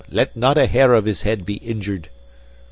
Let not a hair of his head be injured!"